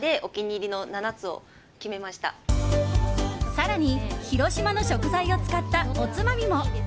更に、広島の食材を使ったおつまみも。